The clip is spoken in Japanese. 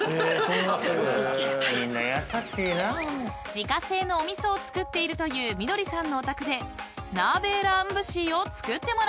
［自家製のお味噌を造っているというみどりさんのお宅でナーベーラーンブシーを作ってもらうことに］